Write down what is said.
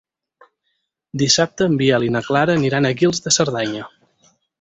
Dissabte en Biel i na Clara aniran a Guils de Cerdanya.